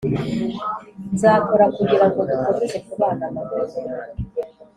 nzakora kugira ngo dukomeze kubana amahoro